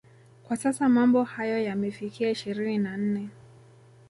Kwa sasa mambo hayo yamefikia ishirini na nne